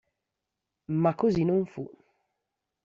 Ma così non fu.